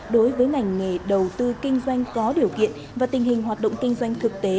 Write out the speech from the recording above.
đối với ngành nghề đầu tư kinh doanh có điều kiện và tình hình hoạt động kinh doanh thực tế